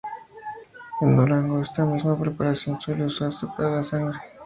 En Durango, esta misma preparación suele usarse para la sangre.